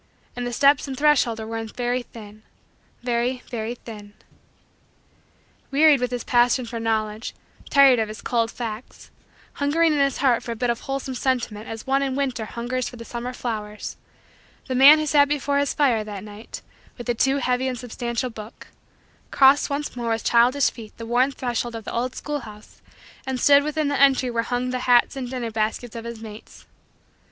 And the steps and threshold were worn very thin very, very, thin. Wearied with his passion for Knowledge; tired of his cold facts; hungering in his heart for a bit of wholesome sentiment as one in winter hungers for the summer flowers; the man who sat before his fire that night, with a too heavy and substantial book, crossed once more with childish feet the worn threshold of the old schoolhouse and stood within the entry where hung the hats and dinner baskets of his mates.